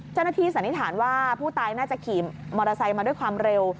เจ้าหน้าที่สันธารว่าผู้ตายน่าจะขี่มอเตอร์ไซต์มาด้วยความเร็ว